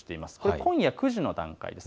今夜９時の段階です。